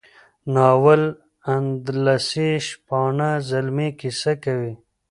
ناول د اندلسي شپانه زلمي کیسه کوي.